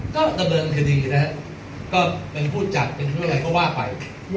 ก็ระเบิดอันทธิดีนะฮะก็เป็นผู้จัดเป็นผู้อะไรก็ว่าไป